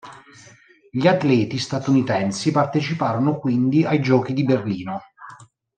Gli atleti statunitensi parteciparono quindi ai Giochi di Berlino.